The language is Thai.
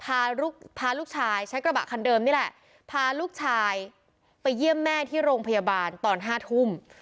พาลูกพาลูกชายใช้กระบะคันเดิมนี่แหละพาลูกชายไปเยี่ยมแม่ที่โรงพยาบาลตอนห้าทุ่ม